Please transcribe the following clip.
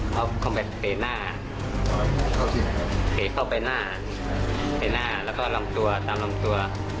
เขาเข้าไปเปหน้าเข้าไปหน้าใบหน้าแล้วก็ลำตัวตามลำตัว